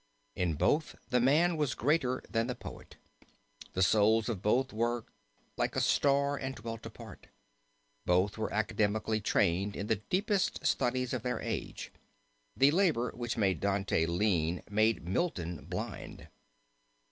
In both the man was greater than the poet, the souls of both were 'like a star and dwelt apart.' Both were academically trained in the deepest studies of their age; the labour which made Dante lean made Milton blind.